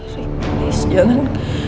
rik please jangan